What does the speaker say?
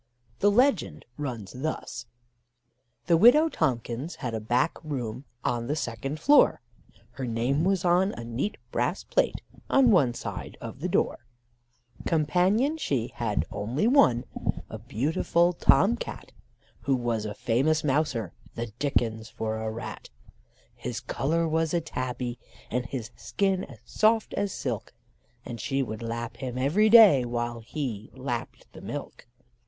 The legend runs thus: "The Widow Tomkins had a back room, on the second floor; Her name was on a neat brass plate on one side of the door: Companion she had only one a beautiful Tom Cat, Who was a famous mouser, the dickens for a rat: His colour was a tabby, and his skin as soft as silk, And she would lap him every day while he lapped the milk.